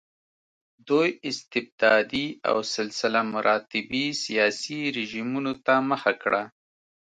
دوی استبدادي او سلسله مراتبي سیاسي رژیمونو ته مخه کړه.